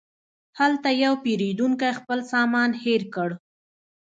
هلته یو پیرودونکی خپل سامان هېر کړ.